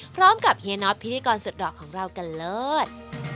พร้อมกับเฮียน็อตพิธีกรสุดดอกของเรากันเลิศ